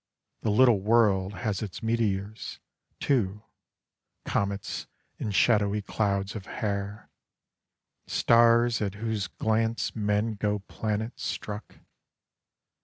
The Little World has its meteors, too, comets and shadowy clouds of hair, stars at whose glance men go planet struck.